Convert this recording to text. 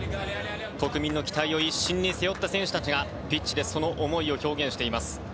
国民の期待を一身に背負った選手たちがピッチでその思いを表現しています。